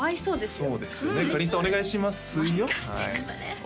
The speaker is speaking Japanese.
そうですね